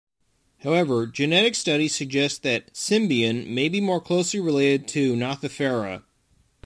However, genetic studies suggest that "Symbion" may be more closely related to Gnathifera.